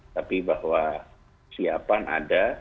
tapi bahwa siapan ada